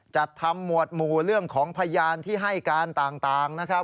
จัดทำหมวดหมู่เรื่องของพยานที่ให้การต่างนะครับ